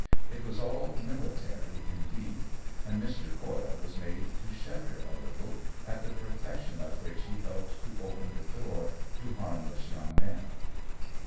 It was all military indeed, and Mr. Coyle was made to shudder a little at the profession of which he helped to open the door to harmless young men.